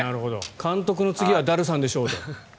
監督の次はダルさんでしょうと。